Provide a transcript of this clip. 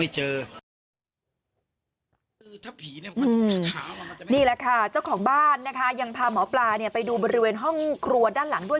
เจ้าของบ้านยังพาหมอปลาไปดูบริเวณห้องครัวด้านหลังด้วย